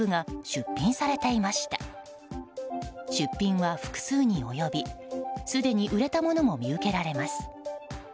出品は複数に及びすでに売れたものも見受けられます。